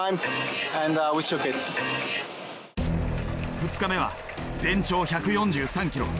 ２日目は全長１４３ｋｍ。